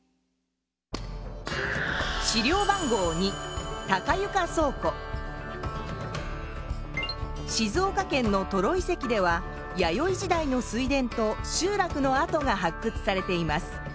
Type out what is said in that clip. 資料番号２静岡県の登呂遺跡では弥生時代の水田と集落の跡がはっくつされています。